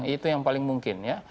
itu yang paling mungkin ya